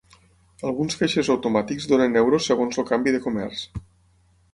Alguns caixers automàtics donen euros segons el canvi de comerç.